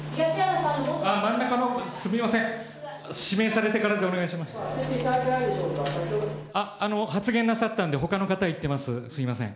真ん中の、すみません、当てていただけないでしょう発言なさったんで、ほかの方行ってます、すみません。